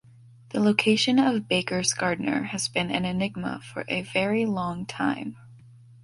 The location of Baker's gardener has been an enigma for a very long time.